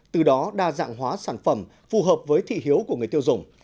từ đó đa dạng hóa sản phẩm phù hợp với thị hiếu của người tiêu dùng